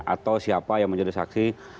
atau siapa yang menjadi saksi